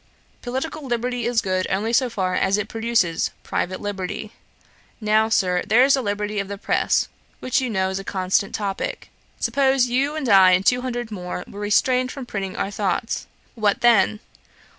Political liberty is good only so far as it produces private liberty. Now, Sir, there is the liberty of the press, which you know is a constant topick. Suppose you and I and two hundred more were restrained from printing our thoughts: what then?